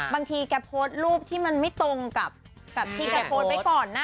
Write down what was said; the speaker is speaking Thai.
บางทีแกโพสต์รูปที่มันไม่ตรงกับที่แกโพสต์ไว้ก่อนนะ